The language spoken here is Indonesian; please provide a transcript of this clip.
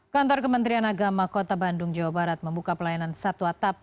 kantor kementerian agama kota bandung jawa barat membuka pelayanan satu atap